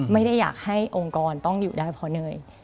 ไม่ได้อยากให้องค์กรต้องอยู่ได้เพราะเหนื่อย